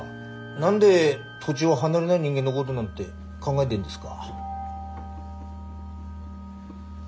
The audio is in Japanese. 何で土地を離れない人間のごどなんて考えでんですか？